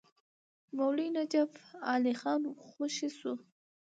مولوي نجف علي خان خوشي شو.